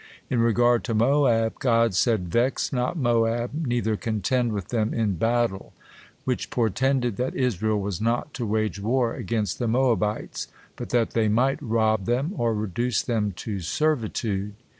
In regard to Moab, God said, "Vex not Moab, neither contend with them in battle," which portended that Israel was not to wage war against the Moabites, but that they might rob them or reduce them to servitude.